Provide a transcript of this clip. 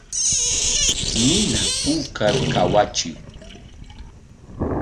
Nina puukar kawachiy.